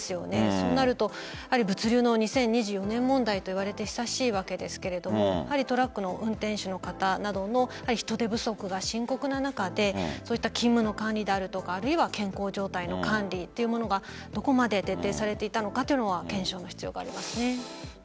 そうなると物流の２０２４年問題といわれて久しいわけですがトラックの運転手の方などの人手不足が深刻な中で勤務の管理であるとか健康状態の管理というものがどこまで徹底されていたのかというのは検証が必要ありますね。